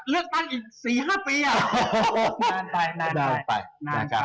แล้วถ้าเลือกตั้งอีก๔๕ปีอ่ะ